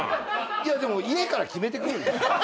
いやでも家から決めてくるんですよ。